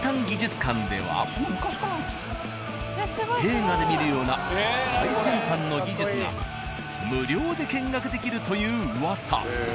［映画で見るような最先端の技術が無料で見学できるという噂］